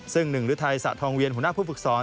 ซึ่งหนึ่งฤทัยสะทองเวียนหัวหน้าผู้ฝึกสอน